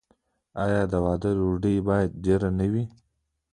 آیا د واده ډوډۍ باید ډیره نه وي؟